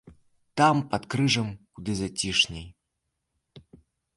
Там, пад крыжам, куды зацішней.